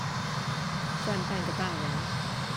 算半個大人